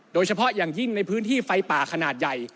โดยเฉพาะอย่างยิ่งในพื้นที่ไฟป่าขนาดใหญ่